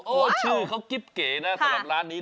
ชื่อเขากิ๊บเก๋นะสำหรับร้านนี้